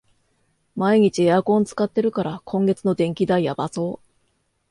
毎日エアコン使ってるから、今月の電気代やばそう